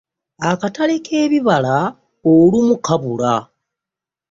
Akatale kebibala olumu kabula.